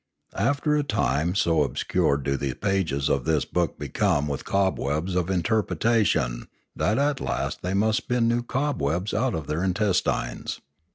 After a time so obscured do the pages of this book become with cobwebs of interpretation that at last they must spin new cobwebs out of their intestines.